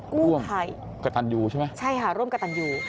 กู้ภัยกระตันยูใช่ไหมใช่ค่ะร่วมกับตันยู